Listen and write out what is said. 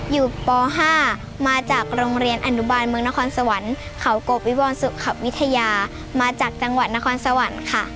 ป๕มาจากโรงเรียนอนุบาลเมืองนครสวรรค์เขากบวิวรสุขวิทยามาจากจังหวัดนครสวรรค์ค่ะ